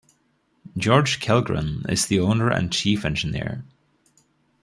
George Kellgren is the owner and Chief Engineer.